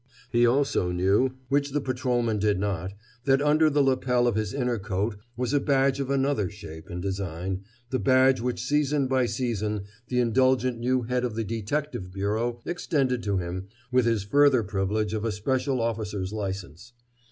He also knew, which the patrolman did not, that under the lapel of his inner coat was a badge of another shape and design, the badge which season by season the indulgent new head of the Detective Bureau extended to him with his further privilege of a special officer's license.